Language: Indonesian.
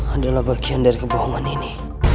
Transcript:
adalah bagian dari kebohongan ini